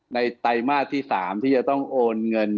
ไตรมาสที่๓ที่จะต้องโอนเงิน